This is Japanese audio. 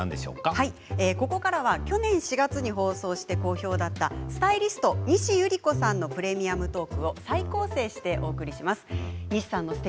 ここからは去年４月に放送して好評だったスタイリスト西ゆり子さんの「プレミアムトーク」を再構成して、お送りします。